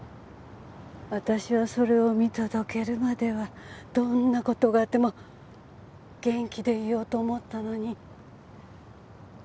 私はそれを見届けるまではどんな事があっても元気でいようと思ったのに。